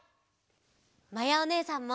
まやおねえさんも！